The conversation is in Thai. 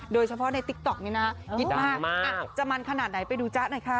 โดยเฉพาะในติ๊กต๊อกนี้นะฮิตมากจะมันขนาดไหนไปดูจ๊ะหน่อยค่ะ